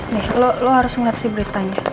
nih lu harus ngeliat sih beritanya